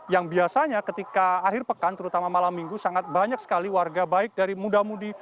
yang biasanya ketika akhir pekan terutama malam minggu sangat banyak sekali warga baik dari muda mudi